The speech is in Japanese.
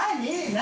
何？